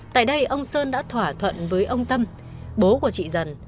tại đây ông sơn đã thỏa thuận với ông tâm bố của trị dân